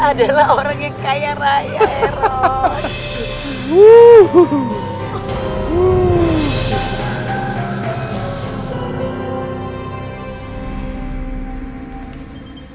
adalah orang yang kaya raya